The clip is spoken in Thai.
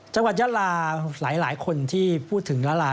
จังหวัดยาลาหลายคนที่พูดถึงลาลา